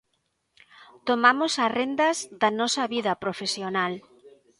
Tomamos as rendas da nosa vida profesional.